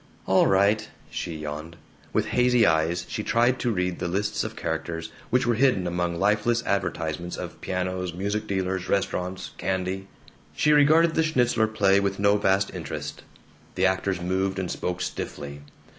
"All right," she yawned. With hazy eyes she tried to read the lists of characters, which were hidden among lifeless advertisements of pianos, music dealers, restaurants, candy. She regarded the Schnitzler play with no vast interest. The actors moved and spoke stiffly.